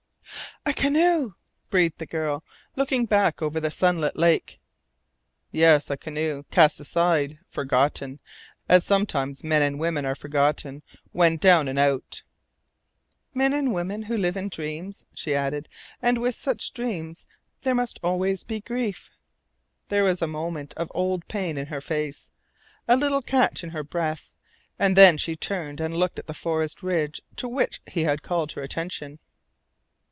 "A canoe!" breathed the girl, looking back over the sunlit lake. "Yes, a canoe, cast aside, forgotten, as sometimes men and women are forgotten when down and out." "Men and women who live in dreams," she added. "And with such dreams there must always be grief." There was a moment of the old pain in her face, a little catch in her breath, and then she turned and looked at the forest ridge to which he had called her attention.